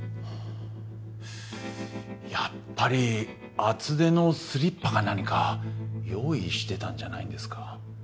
やっぱり厚手のスリッパか何か用意してたんじゃないんですか？